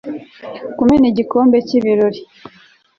kumena igikombe cy'ibirori